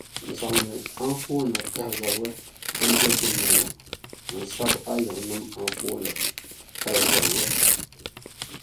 Zaŋmi anfooni-kahigirili din do gbunni ŋɔ n sabi a yiŋa nima anfooni kaligirili.